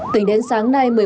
tính đến sáng nay